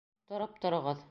Тороп тороғоҙ!